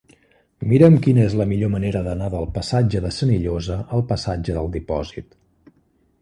Mira'm quina és la millor manera d'anar del passatge de Senillosa al passatge del Dipòsit.